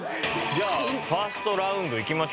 じゃあファーストラウンドいきましょう。